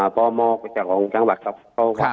ปมจากของจังหวัดเขา